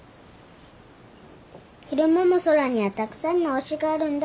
昼間も空にはたくさんの星があるんだ。